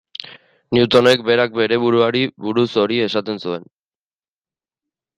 Newtonek berak bere buruari buruz hori esaten zuen.